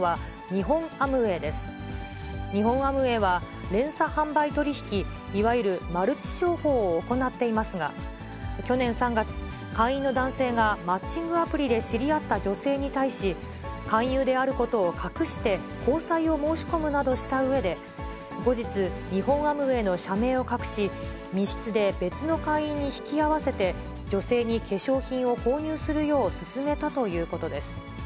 日本アムウェイは、連鎖販売取り引き、いわゆるマルチ商法を行っていますが、去年３月、会員の男性がマッチングアプリで知り合った女性に対し、勧誘であることを隠して、交際を申し込むなどしたうえで、後日、日本アムウェイの社名を隠し、密室で別の会員に引き合わせて、女性に化粧品を購入するよう勧めたということです。